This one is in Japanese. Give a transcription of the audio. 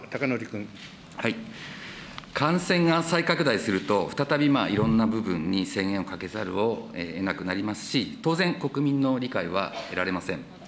感染が再拡大すると、再びいろんな部分に制限をかけざるをえなくなりますし、当然、国民の理解は得られません。